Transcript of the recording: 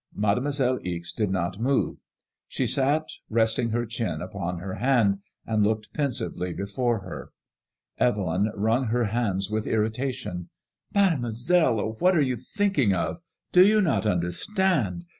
Mademoiselle Ixe did not move. She sat resting her chin upon her hand, and looking pensively before her. Evelyn wrung her hands with irritation. " Mademoiselle, oh, what are you thinking of? Do you not understand